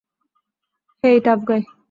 হেই, tough গাই।